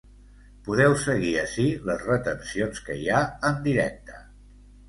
Podeu seguir ací les retencions que hi ha, en directe.